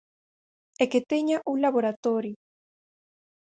E que teña un laboratorio.